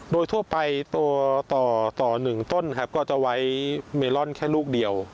โดยทั่วไปตัวต่อ๑ต้นครับก็จะไว้เมลอนแค่ลูกเดียว